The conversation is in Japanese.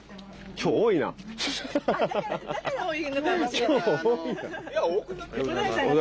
今日多いな。